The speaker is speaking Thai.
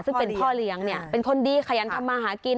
ซึ่งเป็นพ่อเลี้ยงเนี่ยเป็นคนดีขยันทำมาหากิน